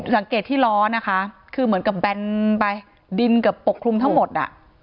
สังเกตที่ล้อนะคะคือเหมือนกับแบนไปดินเกือบปกคลุมทั้งหมดอ่ะ